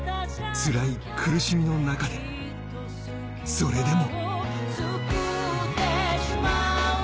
つらい苦しみの中で、それでも。